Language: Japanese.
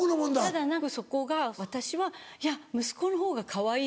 ただ何かそこが私は「いや息子の方がかわいいよ。